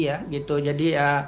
ya gitu jadi